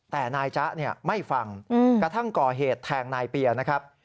แต่นายจ๊ะไม่ฟังกระทั่งก่อเหตุแทงนายเปียนะครับ